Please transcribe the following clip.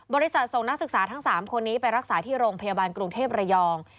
ส่งนักศึกษาทั้ง๓คนนี้ไปรักษาที่โรงพยาบาลกรุงเทพระยอง